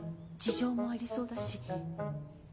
事情もありそうだし。